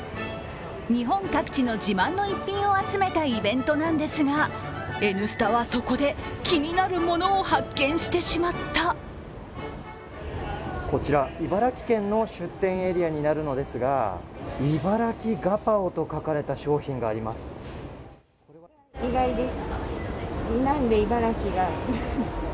日本各地の自慢の逸品を集めたイベントなんですが、「Ｎスタ」はそこで、気になるものを発見してしまったこちら、茨城県の出展エリアになるのですがいばらきガパオと書かれた商品があります。